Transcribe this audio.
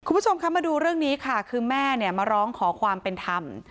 คุณผู้ชมคะมาดูเรื่องนี้ค่ะคือแม่เนี่ยมาร้องขอความเป็นธรรม